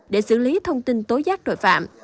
để xử lý thông tin tối giác tội phạm